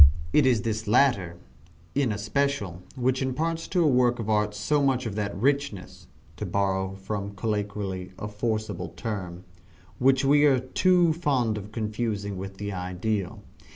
It is this latter, in especial, which imparts to a work of art so much of that richness (to borrow from colloquy a forcible term), which we are too fond of confounding with the ideal.